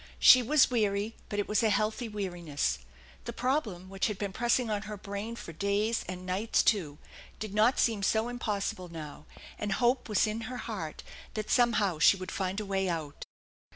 She was weary, but it was a healthy weariness. The problem which had been pressing on her brain for days, and nights too, did not seem so impossible now, and hope was in her heart that some how she would find a way out.